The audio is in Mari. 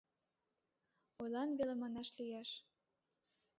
Ойлан веле манаш гын